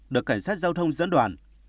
được cảnh sát giao thông dẫn đoàn